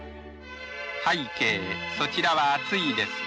拝啓、そちらは暑いですか。